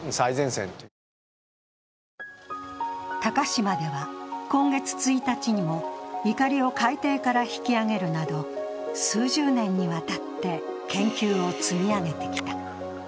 鷹島では今月１日にも、いかりを海底から引き揚げるなど数十年にわたって研究を積み上げてきた。